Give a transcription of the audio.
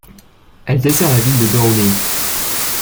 Elle dessert la ville de Downey.